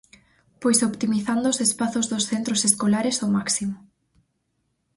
Pois optimizando os espazos dos centros escolares ao máximo.